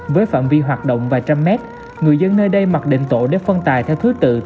với phạm vi hoạt động vài trăm mét người dân nơi đây mặc định tổ để phân tài theo thứ tự từng phương tiện